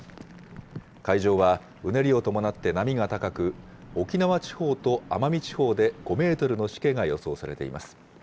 海上はうねりを伴って波が高く、沖縄地方と奄美地方で５メートルのしけが予想されています。